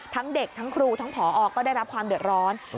ทั้งเด็กทั้งครูทั้งผอก็ได้รับความเดือดร้อน